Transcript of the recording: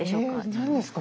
何ですか？